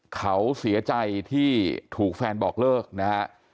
เขาเสียใจที่ถูกแฟนบอกเลิกนะฮะ